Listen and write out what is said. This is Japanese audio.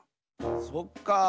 そっかあ。